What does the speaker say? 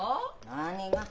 何が？